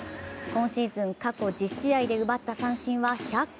今シーズン過去１０試合で奪った三振は１００個。